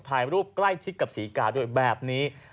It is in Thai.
ถ่ายรูปใกล้ชิดกับศรีกาด้วยแบบนี้